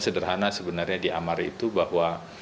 sederhana sebenarnya diamar itu bahwa